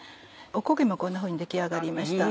お焦げもこんなふうに出来上がりました。